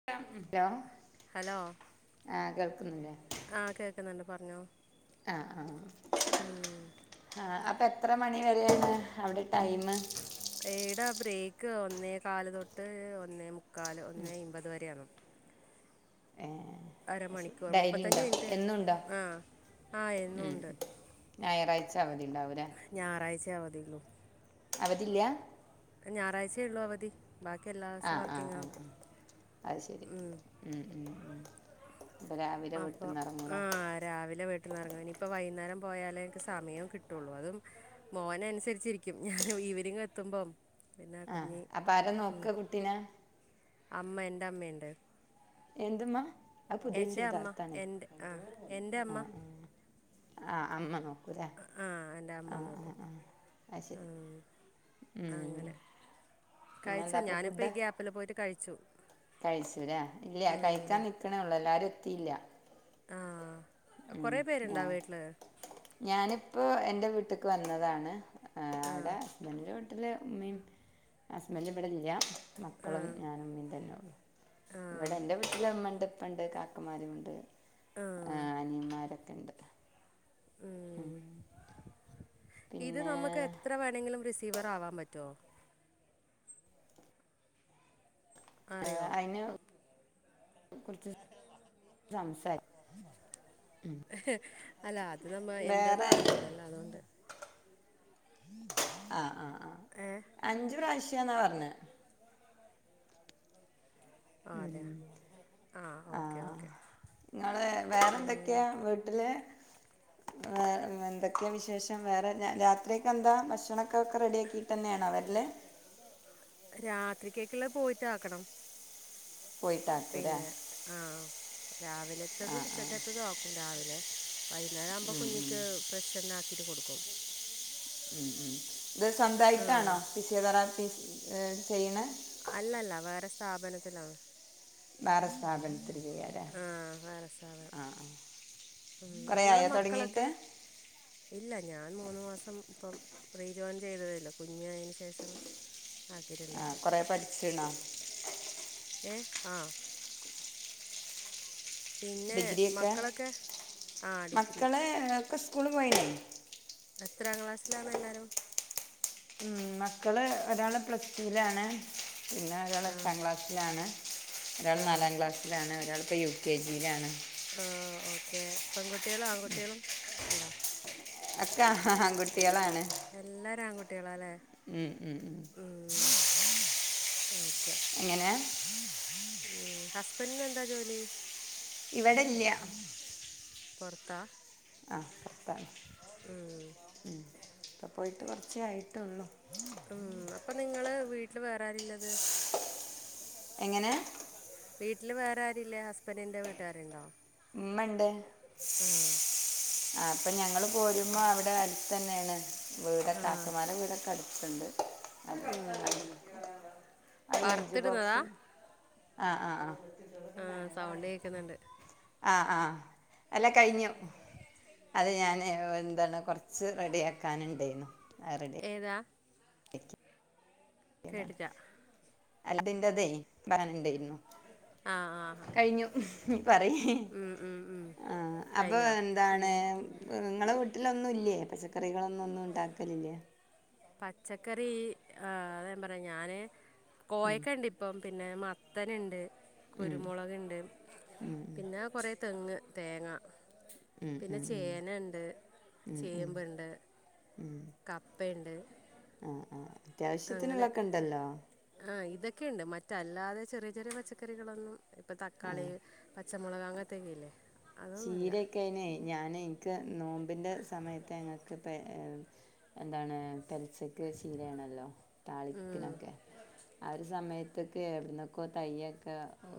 [unintelligible] Hello ആഹ് കേൾക്ക്ന്നുണ്ട് ആഹ് കേക്ക്ന്നുണ്ട് പറഞ്ഞോ ആഹ് ആഹ് ആഹ് അപ്പ എത്ര മണി വരെയാണ് അവിടെ ടൈംമ് ഏതാ ബ്രേക്ക് ഒന്നേ കാല് തൊട്ട് ഒന്നേ മുക്കാല് ഒന്നേ ഇമ്പത് വര ആണ് ഏഹ് അരമണിക്കൂർ മുപ്പത്തഞ്ച് ഡെയിലിണ്ടോ മിനിറ്റ് എന്നുംണ്ടോ ആ ആ ഉം എന്നുണ്ട് ഞായറാഴ്ച അവധി ഉണ്ടാവുല്ലെ ഞായറാഴ്ച അവധിയുള്ളൂ അവധില്ല്യ ഞായറാഴ്ചേ ഉള്ളൂ അവധി ബാക്കി ആ എല്ലാവസും ആ വർക്കിങ്ങാ ആ ആ അത് ശരി ഉം ഉം ഉം ഇപ്പൊ രാവിലെ വീട്ട്ന്നെറങ്ങുല്ലേ ആഹ് രാവിലെ വീട്ടി ട്ടുന്നെറങ്ങു ഇനീപ്പോ വൈയ്ന്നേരം പോയാലെ നിക്ക് സമയം കിട്ടുള്ളൂ അതും മോനെ അനുസരിച്ചിരിക്കും ഞാൻ ഈവനിങ് എത്തുമ്പോം ആഹ് അപ്പ ആരാ നോക്ക കുട്ടിനെ അമ്മ എന്റെ അമ്മയ്ണ്ട് എന്തുമ്മ അത് പുതിയ എന്റെ അമ്മ ചുരിദാർത്താണേ എന്റ ആഹ് എന്റെ അമ്മ ആഹ് അമ്മമ് [unintelligible] ആ എൻ്റെ അമ്മ ആഹ് ആഹ് നോക്കും ആഹ് ആയ് ആ, ശരി ഉം അങ്ങനെ കഴിച്ചോ പിന്നെന്താ അപ്പം ഞാനിപ്പോ ഈ ഗ്യാപ്പില് പോയിട്ട് കഴിച്ചു കഴിച്ചുലെ ഇല്ല്യ ഉം. കഴിക്കാൻ നിക്കണേ ഉള്ളു എല്ലാരും എത്തിയില്ല ആഹ് കൊറേ പേരുണ്ടോ വീട്ടില് ഞാനിപ്പോ എന്റെ വീട്ടിക്ക് വന്നതാണ് ആ അവിടെ ഹസ്ബൻഡിന്റെ ന്റെ ഉമ്മയും ഹസ്ബൻഡ് ഇവിടില്ല്യ മക്കളും ഞാനും ഉമ്മയും തന്നെ ഉള്ളു ഇവിടെ എന്റെ വീട്ടില് ഉമ്മണ്ട് ഇപ്പണ്ട് കാക്കമാര്ണ്ട് ആ ആരൊക്കെ ഉണ്ട് ഉം. ഉം. ഇത് പിന്നെ നമ്ക്കെത്ര വേണെങ്കിലും റിസീവർ ആവാൻ പറ്റോ ഏഹ് അറിയോ അയിന് കുറിച്ചു സംസാരിക്ക അല്ല അത് നമ്മ എന്താന്ന് പറഞ്ഞില്ലല്ലോ അതുകൊണ്ട് ആഹ് ആഹ് ആഹ് ഏ അഞ്ചു പ്രാവശ്യാന്നാ പറഞ്ഞത് ആഹ് അതെയോ ഉം. ആ ഓക്കെ ആഹ് ഓക്കെ നിങ്ങൾ വേറെന്തൊക്കെയാ വീട്ടില് എന്തൊക്കെയാ വിശേഷം വേറെ രാത്രിക്കെ എന്താ ഭക്ഷണൊക്കെ ഒക്കെ റെഡിയാക്കി [unintelligible] രാത്രിക്കേക്കുള്ളത് പോയിറ്റാക്കണം പോയിട്ടാക്കൂലേ പിന്നെ ആഹ് രാവിലെത്തതും ആഹ് ആഹ് ഉച്ചക്കത്തതും ആക്കും രാവിലെ വൈന്നേരം ആവുമ്പോൾ ഉം ഉം കുഞ്ഞിക്ക് ഫ്രഷ് തന്നെ ആക്കിയിട്ട് കൊടുക്കും ഉം ഉം ഇത് ആ സ്വന്തായിട്ടാണോ ഫിസിയോതെറാപ്പി ചെയ്യണേ അല്ലല്ല വേറെ സ്ഥാപനത്തിലാണ് വേറെ സ്ഥാപനത്തിൽ ചെയ്യാ ആഹ് ആ വേറെ സ്ഥാപനം ആഹ് ഉം. കുറേ നിങ്ങളെ ആയോ തുടങ്ങിട്ട് മക്കളൊക്കെ ഇല്ല ഞാൻ മൂന്ന് മാസം ഇപ്പം റീജോയിൻ ചെയ്തതേള്ളൂ കുഞ് ആയതിനു ശേഷം ആഹ് ആക്കീട്ടുണ്ടായില്ല കുറേ പഠിച്ചിണോ ഏഹ് ആഹ് പിന്നെ ഡിഗ്രിയൊക്കെ മക്കളൊക്കെ ആ ഡിഗ്രി മക്കള് ഒക്കെ ഇസ്കൂള് പോയിണ്ടായിരുന്നു എത്രാം ക്ലാസ്സിലാണ് എല്ലാരും ഉം മക്കള് ഒരാള് പ്ലസ് ടുലാണ് പിന്നെ ഒരാൾ ആ എട്ടാം ക്ലാസ്സിലാണ് ഒരാൾ ആ നാലാം ക്ലാസ്സിലാണ് ഒരാളിപ്പോ യു യൂ കെ ജി ലാണ് ആഹ് ഓക്കേ പെൺകുട്ട്യാളും ആൺകുട്ട്യാളും ഇണ്ടോ ഒക്കെ ആൺകുട്ട്യാളാണ് എല്ലാരും ആൺകുട്ടികളാല്ലേ ഉം, ഉം. ഉം ഓക്കെ എങ്ങനെ ഉം ഹസ്ബന്റിനു എന്താ ജോലി ഇവിടെല്ല്യാ പൊറത്താ ആഹ് പൊറത്താണ് ഉം ഇപ്പോ പോയിട്ട് കൊറച്ചേ ആയിട്ടുള്ളൂ ഉം അപ്പൊ നിങ്ങള് വീട്ടില് വേറെ ആരാള്ളത് എങ്ങനെ വീട്ടില് വേറെ ആരുല്ലേ ഹസ്ബന്റിന്റെ വീട്ടുകാരുണ്ടോ ഇമ്മണ്ട് ആ ആഹ് അപ്പൊ ഞങ്ങള് പോരുമ്പോ അവിടെ അടുത്ത് തന്നെയാണ് വീട് ഒക്കെ ആ കാക്കമാരെ വീടൊക്കെ അടുത്തുണ്ട് അത് ലഞ്ച് വറുത്തിടുന്നതാ ബോക്സ് ആഹ് ആഹ് ആഹ് ആഹ് സൗണ്ട് കേൾക്കുന്നുണ്ട് ആഹ് ആഹ് അല്ല കഴിഞ്ഞു അത് ഞാൻ എന്താണ് കുറച്ച് റെഡിയാക്കാൻ ഉണ്ടായിന്നു അത് റെഡി ഏതാ കേട്ടില്ല [unintelligible] ഇണ്ടെയ്ന്നു ആ ആ ആ. കഴിഞ്ഞു പറയ് ഉം ഉം ഉം ആഹ് അപ്പൊ കഴിഞ്ഞോ എന്താണ് ഉം ഇങ്ങളെ വീട്ടിലൊന്നും ഇല്ലേ പച്ചക്ക റികളൊന്നൊന്നും ഉണ്ടാക്കലില്ലോ പച്ചക്കറി ആഹ് അതാ ഞാൻ പറയാ ഞാന് ഉം, കോയക്കണ്ട് ഇ ഇപ്പം പിന്നെ മത്തന്ണ്ട് ഉം, കുരുമുളകുണ്ട് ഉം, പിന്നെ കൊറെ തെങ്ങ് തേങ്ങ ഉം, പിന്നെ ഉം, ഉം, ചേനണ്ട് ഉം, ഉം, ചേമ്പ്ണ്ട് ഉം കപ്പയിണ്ട് ആഹ് ആഹ് അങ്ങനെ ആ ഇതൊക്കെയുണ്ട് മറ്റല്ലാതെ ചെറിയ ചെറിയ പച്ചക്കറികളൊന്നും ഇപ്പൊ ആ തക്കാളി പച്ചമുളക് അങ്ങനത്തെക്കെല്ലേ ചീര ക്കെ അയ്ന് ഞാൻ എനിക്ക് നോമ്പിൻ്റെ സമയത്ത് ഞങ്ങൾക്ക് പെ എന്താണ് പെലച്ചക്ക് ശീലയാണല്ലോ ഉം. താളിപ്പിനൊക്കെ ആ ഒരു സമയത്ത് തൊക്കെ എവിടുന്നക്കോ തയ്യൊക്കെ ഓ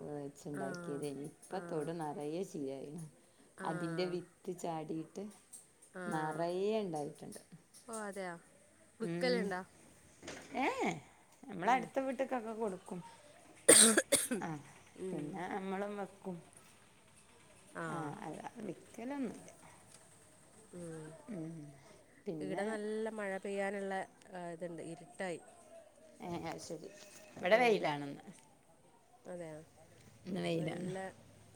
ആ വെച്ച്ണ്ടാക്കിയത് ഇനി ആ ഇപ്പത്തൊടു നറയേ ചീരായിണ് ആ അതിന്റെ വിത്ത് ചാടിയിട്ട് ആ നറയെ ഉണ്ടായിട്ടുണ്ട് ഓ അതെയ ഉ ഏ നമ്മള അടുത്ത വീട്ടക്കൊക്കെ കൊടുക്കും ആഹ് പിന്നെ നമ്മളും വെക്കും ആ ആഹ് അല്ലതെ വിൽക്കലൊന്നുല്ല ഉ ഇവടെ പിന്നെ നല്ല മഴ പെയ്യാനുള്ള ഇതുണ്ട് ഇരുട്ടായി എ ഏ അയ്ശരി ഇവിടെ വെയിലാണന്ന് അതെയ ഇവിടെ വെയിലാണ് നല്ല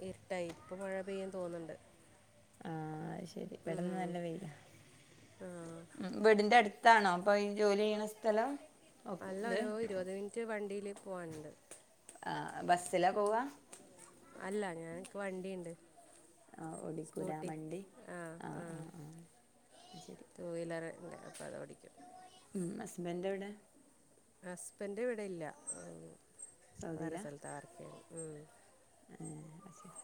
ഇരട്ടായി ഇപ്പ മഴ പെയ്യും തോന്ന്ണ്ട് ആഹ് ശരി ഇവിടന്ന് ഉം. നല്ല വെയില ആ ഉ വീടിന്റെ അടു താണോ അപ്പൊ ഈ ജോലി ചെയ്യണ സ് അല്ല ഒരു ഇരുപത് മിനിറ്റ് വണ്ടിയില് പോവാനുണ്ട് ആഹ് ബസ്സിലാ പോവാ അല്ല ഞാൻക്ക് വണ്ടിണ്ട് ആഹ് ഓടിക്കുലാവണ്ടി ആ ആഹ് ആഹ് ആഹ് ആ ശരി ടു വീലറിട് അപ്പ അത് ഓടിക്കും മം ഹസ്ബൻഡ് എവിടെ ഹസ്ബൻ് ഇവിടെ ഇല്ല വേറെ സൗദിയിലാ സ്ഥലത്ത വർക്കിയുനത് ഉ ഏഹ് അയ് ശരി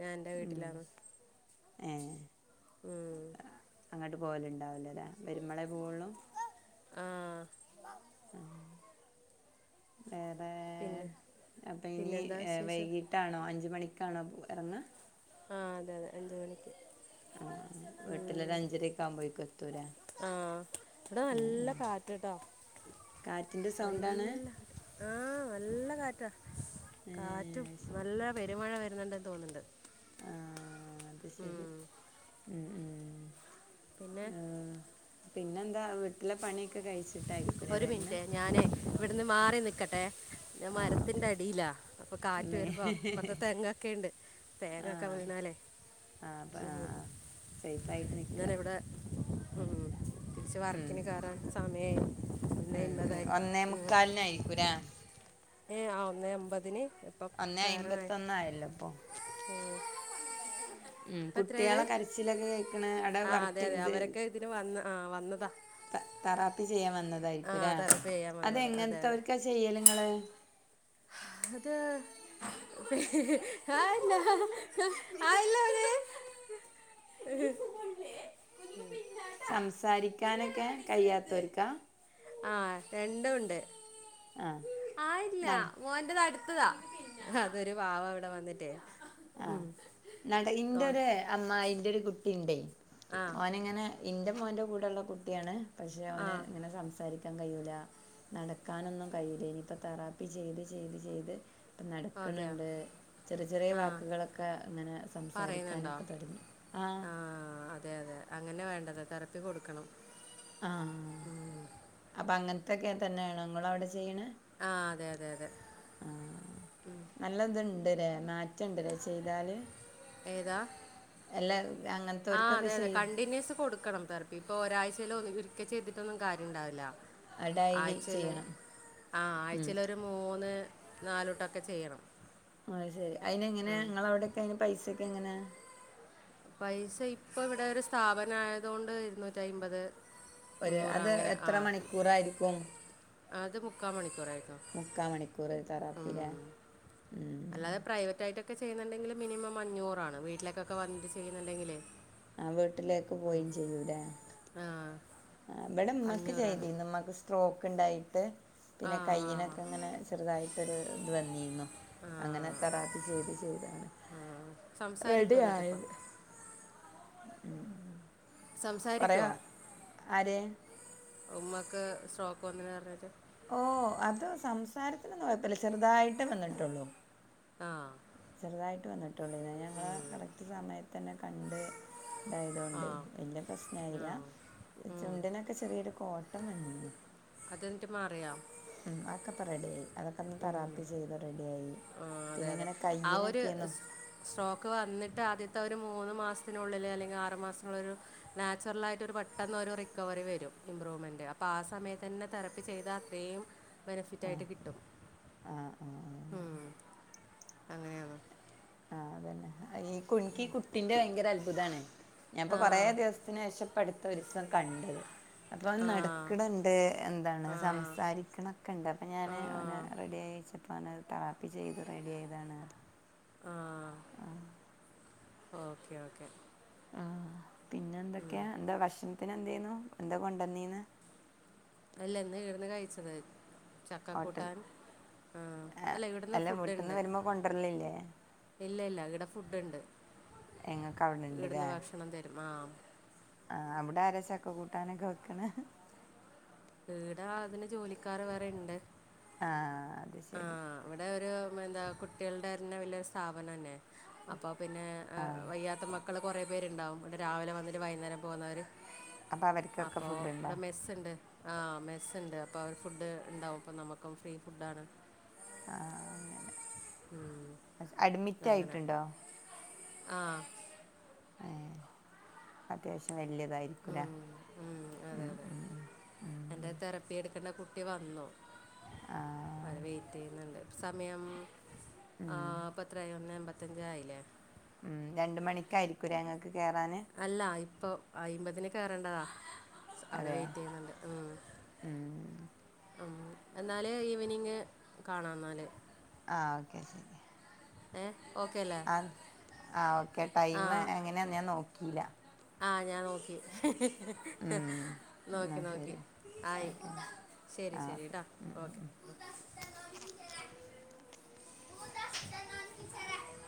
ഞാൻ എന്റെ ഉം വീട്ടിലാണ് ഉം അങ്ങട്ട് പോവലുണ്ടാവലില്ലേ വരുമ്പളേ പോവുള്ളൂ ആ വേറെ പിന്നെ അപ്പൊ ഇനി പിന്നെന്താ വിശേഷം വൈകിട്ടാണോ അഞ്ച് മണി കാണോ പോവ എറങ്ങ ആഹ് അതെ അതെ അഞ്ച് മണിക്ക് ആഹ് വീട്ടിലൊരു അഞ്ചരക്കെ ആവുമ്പോഴേകൊത്തൂലേ ആഹ് ഇവിടെ നല്ല കാറ്റ്ട്ടോ കാറ്റിൻ്റെ സൗണ്ടാണ് നല്ല ആഹ് നല്ല കാറ്റ കാറ്റും ഏഹ് നല്ല പെരുമഴ വരുന്നുണ്ടന്ന് തോന്നുണ്ട് ആഹ് അത് ശരി ഉം ഉം ഉം പിന്നെ അഹ് പിന്നെന്താ വീട്ടിലെ പണിയൊക്കെ കഴിച്ചിട്ടായിരിക്കൂല്ലേ ഒരു വര്ന്ന് മിനിറ്റ് ഞാനേ ഇവിടുന്ന് മാറി നിക്കട്ടെ ഞാൻ ആഹ് ഓക്കെ മരത്തിന്റെ അടിയിലാ അപ്പൊ കാറ്റ് മേ വരുമ്പോ ഇപ്പറത്ത് തെങ്ങൊക്കെയണ്ട് തേങ്ങൊക്കെ ആഹ് വീണാലേ ആഹ് അപ്പ ഉം. ആഹ് സെയ്ഫായിട്ട് നി ഞാനിവിടെ ഉം തിരിച്ച് ഉം വർക്കിന് കേറാൻ സമയായി ഒന്നേമ്പതായി ഉം ആഹ്. ഏഹ് ആഹ് ഒന്നെ അമ്പതിന് ഇപ്പം ഒന്നേ കയറാനായി അയ്മ്പത്തൊന്നായല്ലപ്പൊ. ഉം കുട്ട്യാളെ കരച്ചിലൊക്കെ കേ ആഹ് അതെ അതെ അവരൊക്കെ ഇതിന് വന്ന് ആഹ് വന്നതാ. ത തറാപ്പി ചെയ്യാം ആ വന്നതായ്രിക്കൂലേ അതെ പേ ചെയ്യാൻ വന്നത് അതെ അതെ അതെങ്ങൻത്തോര്ക്കാ ചെയ്യല്ങ്ങള്? അത് ആയില്ലാ ആയില്ലാ [unintelligible] ഉ സംസാരിക്കാനൊക്കെ കയ്യാതൊര്ക്കാ? ആഹ് രണ്ടും ഉണ്ട് ആ ആയില്ലാ നട മോന്റെത് അടുത്തതാ അതൊരു പാവം ഇവടെ വന്ന്ട്ടേയ് ആഹ് ഇന്റെര് അമ്മായിന്റെ ഒരു കുട്ടിണ്ടേയ് ആ ഓന്ങ്ങനെ ഇന്റെ മോന്റെ കൂടെള്ള കുട്ടിയാണ് പക്ഷെ ആ അവന് ഇങ്ങനെ സംസാ സംസാരിക്കാൻ കയ്യൂലാ ന്നടക്കാനൊന്നും കയ്യൂല ഇനിയിപ്പ തറാപ്പി ചെയ്ത് ചെയ്ത് ചെയ്ത് ന്നടക്ക്ണ് അതെയോ ണ്ട് ചെറിയ ചെറിയേ ആ വാ വാക്കുകളൊക്കെ ഇങ്ങനെ സംസാരിക്കാനൊക്കെ തൊടങ്ങി ആഹ്. ആഹ് അതെ അതെ അങ്ങനെ വേണ്ടത് തെറപ്പി കൊടുക്കണം. ആഹ് അപ്പൊ അങ്ങൻത്തൊക്കെ തന്നേണോ ങ്ങളവടെ ചെയ്യ്ണ്? ആഹ് അതെ അതെ അതെ. ന്നല്ലത്ണ്ട്ലെ മാറ്റണ്ട്ലെ ചെയ്താല്. ഏതാ അല്ല ആഹ് അതെ അങ്ങനത്തോർക്കൊക്കെ അതെ ചെയ്ത് കണ്ടിന്യൂസ് കൊടു ക്കണം തറപ്പി ഇപ്പൊ ഒരാഴ്ചയിലോ ഒരിക്ക ചെയ്തിട്ടൊന്നും കാര്യം ഉണ്ടാവില്ല. ഡെയിലി ആഴ്ചെല് ചെയ്യണം. ആഹ് ഉം. ആഴ്ചെലൊരു മൂന്ന് ന്നാലൂട്ടൊക്കെ ചെയ്യണം. അഅ്‌ ശരി അയ്നങ്ങനെ ആ ങ്ങളവടെക്കെ അയ്ന് പൈസൊക്കെ എങ്ങനേ? പൈസ ഇപ്പൊ ഇവടെ ഒരു സ്ഥാപനായതൊണ്ട് ഇര്ന്നൂറ്റയ്മ്പത്. ഒര് അത് എത്ര മണിക്കൂറായിരിക്കും? അത് മുക്കാൽ മണിക്കൂറായിരിക്കും മുക്കാമണിക്കൂറ് തറാപ്പിലെ ഉം. ഉം. അല്ലാതെ പ്രൈവറ്റ് ആയിട്ടൊക്കെ ചെയ്യുന്നുണ്ടെങ്കില് മിനിമം അഞ്ഞൂറാണ് വീട്ടിലേക്കൊക്കെ വന്നിട്ട് ചെയ്യുന്നുണ്ടെങ്കിലെ ആഹ് വീട്ട്ലേക്ക് പോയും ചെയ്യൂലെ. ആഹ്. ആഹ് ബടെ മ്മക്ക് ചെയ്തീന്നു മ്മാക്ക് സ്ട്രോക്ക്ണ്ടായിട്ട് ആ പിന്നെ ആ കൈയ്യിനൊക്കെ ങ്ങനെ ചെറുതായിട്ടൊരു ത് വന്നീന്നു. ആ അങ്ങനെ ആ തെറാപ്പി ചെയ്ത് ചെയ്താണ് റെഡി സംസാരിക്കുമോ എന്നിട്ട് ഇപ്പം ആയത്. ഏഹ്. സംസാരിക്കോ ആരെ ഉമ്മക്ക് സ്ട്രോക്ക് വന്ന്ണ്ർഞ്ട്ട്? ഓഹ് അത് സംസാരത്തിനോന്നും കൊയ്പ്പല്ല ചെറുതായിട്ട് വന്ന്ട്ടോള്ളൂ. ആഹ്. ചെറുതായിട്ട് വന്ന്ട്ടോള്ളൂ ഞങ്ങള് കറക്റ്റ് സമയത്തന്നെ കണ്ട് ആ ഇതായതൊണ്ടേയ് വല്ല്യ ആ പ്രശ്നായിലാ ഉം. ചുണ്ടിനൊക്കെ ചെറീയൊരു കോട്ടം വന്നീന്നു. അത് ന്ന്ട്ട് മാറിയൊ? ഉം അഒക്കപ്പൊ റെഡി ആയി അതൊക്കെന്ന് തെറാപ്പി ചെയ്ത് റെഡിയായി. ആഹ് അതെ പിന്നെ അതെ ഇങ്ങനെ ആ ഒരു കയ്യിനൊക്കെന്നു സ് സ്ട്രോക്ക് വന്നിട്ട് ആദ്യത്തെ ഒരു മൂന്നു മാസത്തിനുള്ളില് അല്ലെങ്കിൽ ആറു മാസനുള്ള ഒരു നാച്ചുറൽ ആയിട്ട് ഒരു പെട്ടെന്ന് ഒരു റിക്കവറി വരും ഇമ്പ്രൂവ്മെന്റ് അപ്പൊ ആ സമയത്ത് തന്നെ തെറപ്പി ചെയ്ത അത്രയും ബെനഫിറ്റ് ആയിട്ട് കിട്ടും ആഹ് ആഹ് ഉം അങ്ങനെയാണ് ആഹ് അതന്നെ ഈ കുനിക്കി ഈ കുട്ടിന്റെ ഭയങ്കര അത്ഭുതാണ് ഞാൻ ഇപ്പൊ ആ കൊറേ ദിവസ നേഷം ഇപ്പെടുത്ത ഒരുസം കണ്ടത് അപ്പോൾ അവ ആ നടക്കണണ്ട് എന്താണ് ആഹ് സംസാരിക്കണൊക്കെണ്ട് അപ്പ ഞാൻ അവന് ആഹ് റെഡി ആയിച്ചപ്പൊ അപ്പോനത് തറാപ്പിചെയ്ത് റെഡി ആയതാണ് പറഞ്ഞ് ആഹ് ഓക്കെ ഓക്കെ ആഹ് പിന്നെ എന്തൊക്കെ ഉം എന്താ ഭക്ഷണത്തിന് എന്തയ്നു എന്താ കൊണ്ടന്നീന് അല്ല ഇന്ന് ഇവട്ന് കഴിച്ചത് ചക്ക ഹോട്ടൽ കൂട്ടാൻ ആ അല്ല ഇവിടുന്ന് വീട്ടിൽന്ന് ഫുഡ്ണ്ട് വരുമ്പോ കൊണ്ടുവരലില്ലേ ഇല്ല ഇല്ല ഈടെ ഫുഡ്ണ്ട് ഏഹ് ഇങ്ങക്ക് അവിടെണ്ട്ല്ലേ ക്ഷണം തരും ആഹ് ആഹ് അവിടെ ആരാ ചക്ക കൂട്ടാനൊക്കെ വെക്കണ് ഈട അതിന് ജോലിക്കാർ വേറെ ഇണ്ട് ആഹ് ശരി ആഹ് ഇവിടെ ഒരു എന്താ കുട്ടികളുണ്ടായിരുന്ന വലിയൊരു സ്ഥാപനം തന്നെ അപ്പ അപ്പോ പിന്നെ ആഹ് വയ്യാത്ത മക്കൾ കുറേ പേരുണ്ടാവും ഇവിടെ രാവിലെ വന്നിട്ട് വൈകുന്നേരം പോകുന്നവര് അപ്പൊ അവർക്കൊക്കെ അപ്പൊ ഫുഡ് ഉണ്ടോ ഇവിടെ മെസ് ഉണ്ട് ആ മെസ്സ് ഉണ്ട് അപ്പോൾ അവര് ഫുഡ് ഉണ്ടാവും അപ്പം നമുക്കും ഫ്രീ ഫുഡ് ആണ് ആഹ് അങ്ങനെ ഉം. അഡ്മിറ്റ് ആയിട്ടുണ്ടോ ആഹ് ഏഹ് അത്യാവശ്യം വലിയതായിരിക്കുലെ ഉം, ഉം, അതെ ഉം അതെ ഉം ഉം എൻ്റെ തെറപ്പി എടുക്കേണ്ട കുട്ടി വന്നു അവർ ആഹ് വെയിറ്റ് ചെയ്യുന്നുണ്ട് സമയം ഉം ആഹ് ഇപ്പോ എത്ര ആയി ഒന്ന് എൺമ്പത്തഞ്ച് ആയില്ലേ ഉം രണ്ട് മണിക്കായിരിക്കുംലെ ഇങ്ങക്ക് കെറാൻ അല്ല ഇപ്പൊ അയിമ്പതിന് കയറേണ്ടതാ അവിര് അതെ വെയിറ്റ് ചെയ്യുന്നുണ്ട് ഉം ഉം ഉം എന്നാല് ഈവെനിംഗ് കാണാം ന്നാല് ആഹ് ഓക്കെ ശരി ഏഹ് ഓക്കെ അല്ലേ ആഹ് ആ ഓക്കെ ടൈം എങ്ങനെയാ ഞാൻ നോക്കിയില്ല ആഹ് ഞാൻ നോക്കി ഉം എന്നാ നോക്കി നോക്കി ശരി ആയി ഓക്കെ ശരി ആ ശരി ഓക്കെ കേട്ടോ ഉം ഉം ഉം ഓക്കെ ഉദാഹരണം